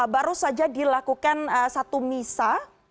baru saja dilakukan satu misa